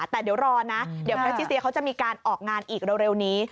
แต่เดี๋ยวรอนะเดี๋ยวแพรชิเซียเขาจะมีการออกงานอีกเร็วนี้